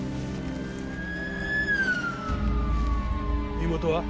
身元は？